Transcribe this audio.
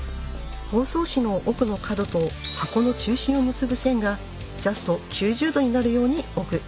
包装紙の奥の角と箱の中心を結ぶ線がジャスト９０度になるように置く。